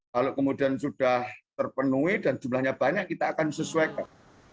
kalau kemudian sudah terpenuhi dan jumlahnya banyak kita akan sesuaikan